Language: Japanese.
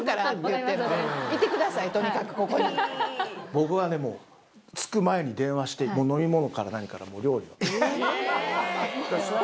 僕はねもう着く前に電話して飲み物から何から料理を。